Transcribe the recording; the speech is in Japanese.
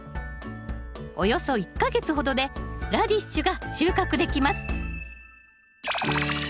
およそ１か月ほどでラディッシュが収穫できます